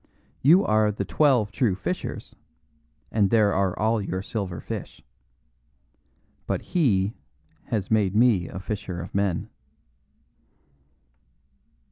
You are The Twelve True Fishers, and there are all your silver fish. But He has made me a fisher of men."